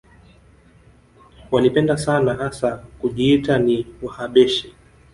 Walipenda sana hasa kujiita ni Wahabeshi